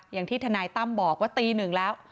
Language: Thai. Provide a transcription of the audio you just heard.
อย่างที่ทนายตั้มบอกว่าตีหนึ่งแล้ว